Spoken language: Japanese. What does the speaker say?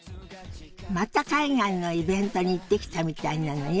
また海外のイベントに行ってきたみたいなのよ。